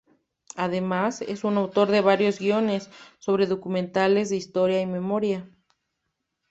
Además, es autor de varios guiones sobre documentales de historia y memoria.